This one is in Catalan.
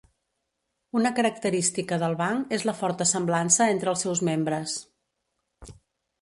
Una característica del banc és la forta semblança entre els seus membres.